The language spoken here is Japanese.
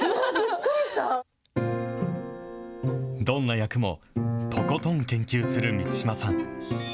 どんな役もとことん研究する満島さん。